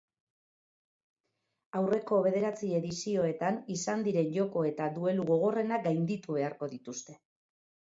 Aurreko bederatzi edizioetan izan diren joko eta duelu gogorrenak gainditu beharko dituzte.